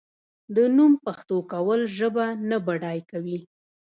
د نوم پښتو کول ژبه نه بډای کوي.